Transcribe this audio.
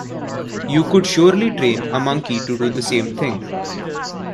You could surely train a monkey to do the same thing.